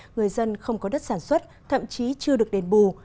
người dân không có đất sản xuất thậm chí chưa được đền bù